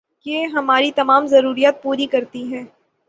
یہ ہماری تمام ضروریات پوری کرتی ہے